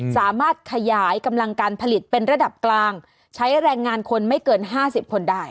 สามารถขยายกำลังการผลิตเป็นระดับกลางใช้แรงงานคนไม่เกิน๕๐คนได้